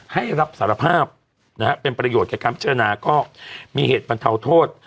ให้รับสารภาพนะฮะเป็นประโยชน์กับการพิจารณาก็มีเหตุบรรเทาโทษ